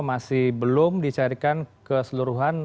masih belum dicarikan keseluruhan